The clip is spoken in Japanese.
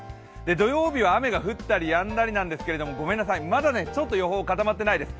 土曜日は雨が降ったりやんだりなんですけどごめんなさい、まだ予報、固まってないです。